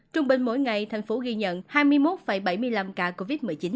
trung bình mỗi ngày thành phố ghi nhận hai mươi một bảy mươi năm ca covid một mươi chín